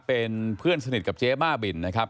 เป็นเพื่อนสนิทกับเจ๊บ้าบินนะครับ